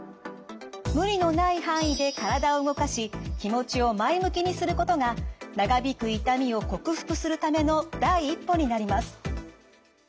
無理のない範囲で体を動かし気持ちを前向きにすることが長引く痛みを克服するための第一歩になります。